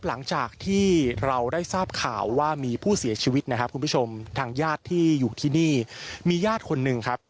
หลังจากที่เราได้ทราบข่าวว่ามีผู้เสียชีวิตนะครับคุณผู้ชมทางญาติที่อยู่ที่นี่มีญาติคนหนึ่งครับ